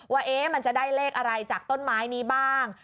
ว่ามันจะได้เลขอะไรจากต้นไม้นี้บ้าง